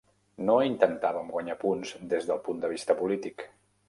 No intentàvem guanyar punts des del punt de vista polític.